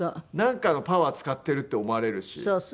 なんかのパワー使ってるって思われるし。